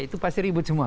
itu pasti ribut semua